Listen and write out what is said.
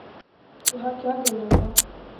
یہاں کیا گرنا تھا؟